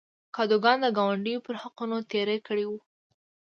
کادوګان د ګاونډیو پر حقونو تېری کړی و.